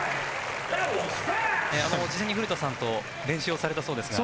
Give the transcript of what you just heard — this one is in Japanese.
事前に古田さんと練習をされたそうですが。